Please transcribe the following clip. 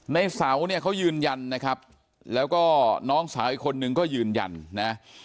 ในเสาเนี่ยเขายืนยันนะครับแล้วก็น้องสาวอีกคนนึงก็ยืนยันนะ